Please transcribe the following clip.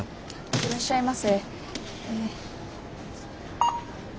いらっしゃいませ。